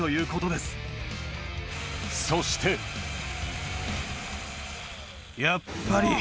そしてやっぱり！